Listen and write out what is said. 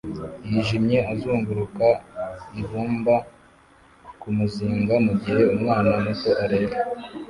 yijimye azunguruka ibumba kumuziga mugihe umwana muto areba